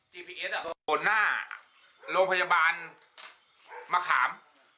ตัวหน้าโรงพยาบาลมะขาม